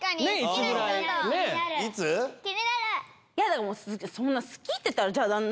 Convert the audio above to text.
いやでもそんな好きっていったらじゃあ何で。